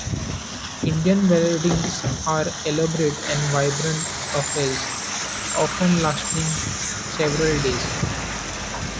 Indian weddings are elaborate and vibrant affairs, often lasting several days.